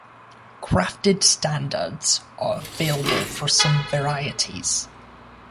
Grafted standards are available for some varieties.